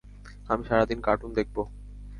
আমি সারাদিন কার্টুন দেখবো।